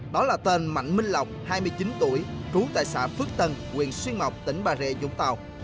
đó là tên mạnh minh lọc hai mươi chín tuổi trú tại xã phước tân quyền xuyên mộc tỉnh bà rệ dũng tàu